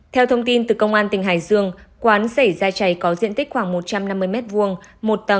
theo thông tin từ công an tỉnh hải dương quán xảy ra cháy có diện tích khoảng một trăm năm mươi m hai